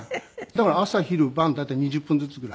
だから朝昼晩大体２０分ずつぐらい。